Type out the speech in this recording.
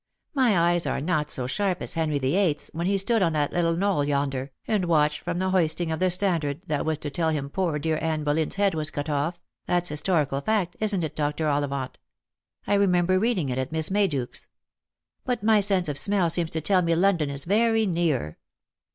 My eyes are not so sharp as Henry the Eighth's when he stood on that little knoll yonder, and watched for the hoisting of the standard that was to tell him poor dear Anne Boleyn's head was cut off — that's historical fact, isn't it, Dr. Ollivant ? I remember reading it at Miss Mayduke's. But my sense of smell seems to tell me London is very near."